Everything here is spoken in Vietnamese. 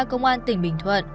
công an tỉnh bình thuận